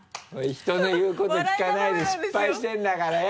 人の言うこと聞かないで失敗してるんだからよ。